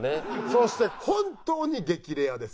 そして本当に激レアです。